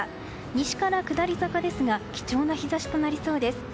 西から下り坂ですが貴重な日差しとなりそうです。